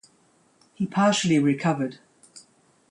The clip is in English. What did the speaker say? He partially recovered.